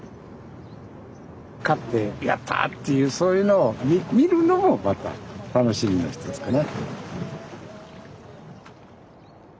勝って「やった！」っていうそういうのを見るのもまた楽しみの一つかな。